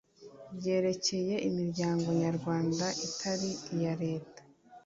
ryerekeye imiryango nyarwanda itari iya Leta